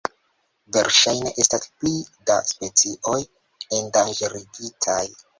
Verŝajne estas pli da specioj endanĝerigitaj.